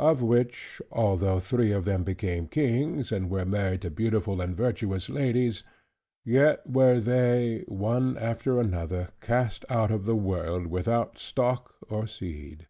Of which although three of them became kings, and were married to beautiful and virtuous ladies: yet were they, one after another, cast out of the world, without stock or seed.